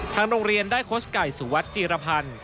โรงเรียนได้โค้ชไก่สุวัสดิจีรพันธ์